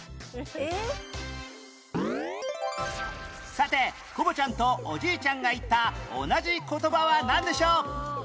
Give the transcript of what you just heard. さてコボちゃんとおじいちゃんが言った同じ言葉はなんでしょう？